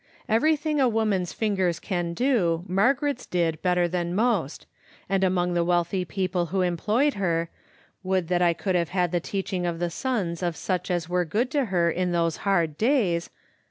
Everything a woman's fingers can do Margaret's did better than most, and among the wealthy people who employed her — would that I could have the teaching of the sons of such as were good to her in those hard days!